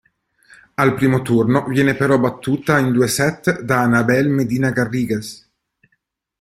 Al primo turno viene però battuta in due set da Anabel Medina Garrigues.